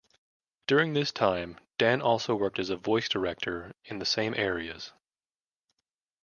During this time, Dan also worked as a voice director in the same areas.